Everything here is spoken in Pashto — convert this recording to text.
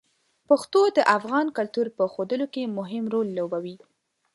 پښتو د افغان کلتور په ښودلو کې مهم رول لوبوي.